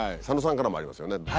佐野さんからもありますよね。